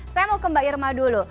saya mau ke mbak irma dulu